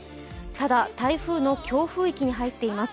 ただ、台風の強風域に入っています。